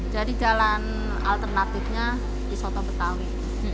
jadi jalan alternatifnya di soto betawi